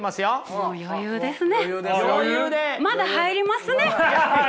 もう余裕ですよ。